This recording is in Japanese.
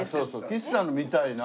吉瀬さんの見たいな。